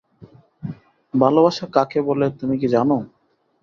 ভালোবাসা কাকে বলে তুমি কি জান?